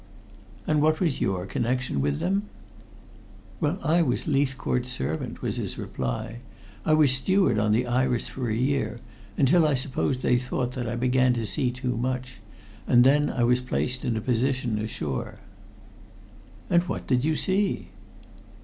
"And what was your connection with them?" "Well, I was Leithcourt's servant," was his reply. "I was steward on the Iris for a year, until I suppose they thought that I began to see too much, and then I was placed in a position ashore." "And what did you see?"